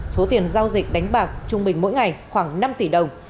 số tiền giao dịch đánh bạc trung bình mỗi ngày khoảng năm tỷ đồng